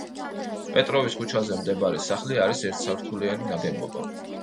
პეტროვის ქუჩაზე მდებარე სახლი არის ერთსართულიანი ნაგებობა.